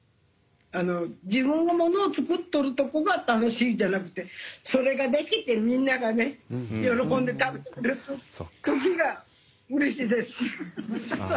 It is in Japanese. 自分がものを作っとるとこが楽しいんじゃなくてそれができてみんながね喜んで食べてくれる時がうれしいです。